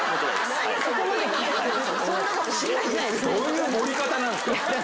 どういう盛り方なんですか。